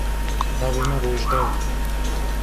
Navê min Rojda ye.